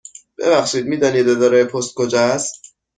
ببخشید، می دانید اداره پست کجا است؟